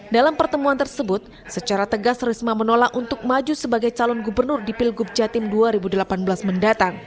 dalam pertemuan tersebut secara tegas risma menolak untuk maju sebagai calon gubernur di pilgub jatim dua ribu delapan belas mendatang